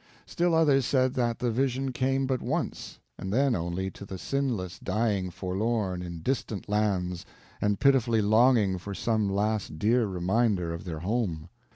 Still others said that the vision came but once, and then only to the sinless dying forlorn in distant lands and pitifully longing for some last dear reminder of their home.